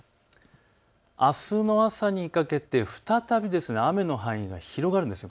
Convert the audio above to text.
あすの朝にかけて再び雨の範囲が広がるんです。